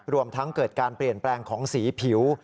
รวมทั้งเกิดการเปลี่ยนแปลงของสีผิว